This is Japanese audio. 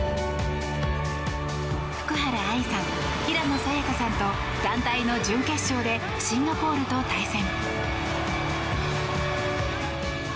福原愛さん、平野早矢香さんと団体の準決勝でシンガポールと対戦。